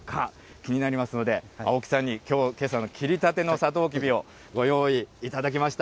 気になりますので、青木さんに、きょう、けさの切りたてのさとうきびをご用意いただきました。